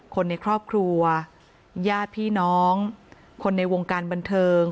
คนในครอบครัวญาติพี่น้องคนในวงการบันเทิง